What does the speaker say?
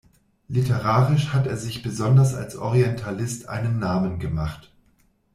Literarisch hat er sich besonders als Orientalist einen Namen gemacht.